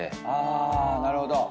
あなるほど。